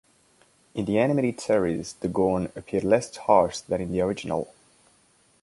In the animated series, the Gorn appeared less harsh than in the original.